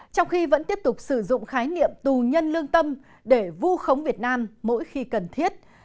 trong khi vẫn tiếp tục sử dụng khái niệm tù nhân lương tâm để vu khống việt nam mỗi khi cần thiết